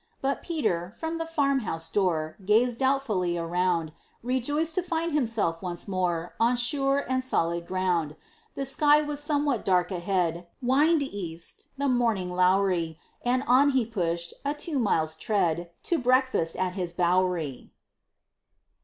But Peter, from the farmhouse door, Gazed doubtfully around, Rejoiced to find himself once more On sure and solid ground. The sky was somewhat dark ahead, Wind east, the morning lowery; And on he pushed, a two miles' tread, To breakfast at his Bouwery.